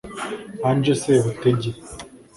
Ange Sebutege